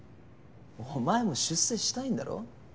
お前も出世したいんだろ？